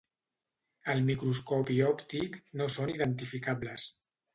Al microscopi òptic, no són identificables.